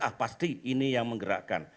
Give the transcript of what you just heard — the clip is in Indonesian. ah pasti ini yang menggerakkan